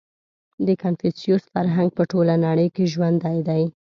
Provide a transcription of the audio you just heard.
• د کنفوسیوس فرهنګ په ټوله نړۍ کې ژوندی دی.